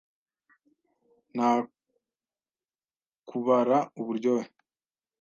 Nta kubara uburyohe.